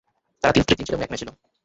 তার তিন স্ত্রী, তিন ছেলে ও এক মেয়ে ছিল।